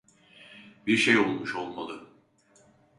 Bir şey olmuş olmalı.